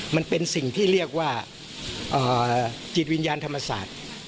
มันเป็นสิ่งที่เรียกว่าจิตวิญญาณธรรมศาสตร์